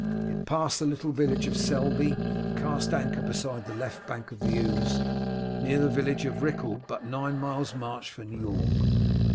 It passed the little village of Selby, and cast anchor beside the left bank of the Ouse, near the village of Riccall, but nine miles' march from York.